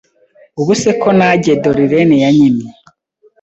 Ubu se ko najye Dorlene yanyimye